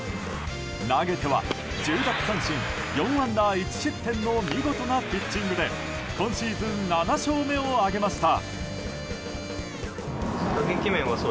投げては１０奪三振４安打１失点の見事なピッチングで今シーズン７勝目を挙げました。